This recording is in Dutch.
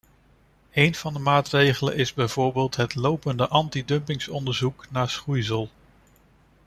Een van de maatregelen is bijvoorbeeld het lopende antidumpingonderzoek naar schoeisel.